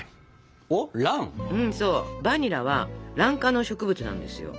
そうバニラはラン科の植物なんですよ。